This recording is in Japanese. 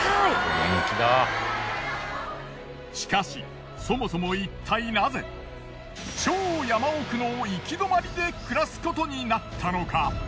しかしそもそもいったいナゼ超山奥の行き止まりで暮らすことになったのか？